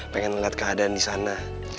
pengen liat keadaan disana